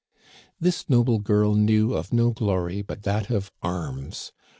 " This noble girl knew of no glory but that of arms.